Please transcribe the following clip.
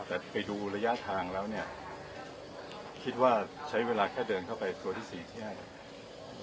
แต่ไปดูระยะทางแล้วเนี่ยคิดว่าใช้เวลาแค่เดินเข้าไปตัวที่๔ที่๕เนี่ย